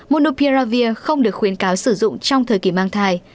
monopia không được khuyến cáo sử dụng trong thời kỳ mang thai